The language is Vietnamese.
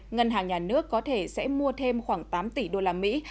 ngân hàng nhà nước có thể sẽ mua thêm khoảng tám tỷ đô la mỹ